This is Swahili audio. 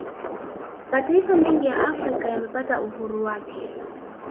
Mataifa mengi ya Afrika yamepata uhuru wake